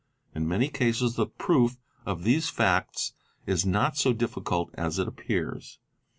In many cases the proof of these facts is not so difficult as it appears.